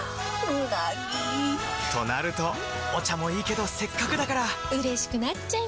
うなぎ！となるとお茶もいいけどせっかくだからうれしくなっちゃいますか！